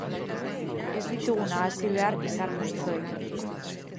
Ez ditugu nahasi behar izar-multzoekin.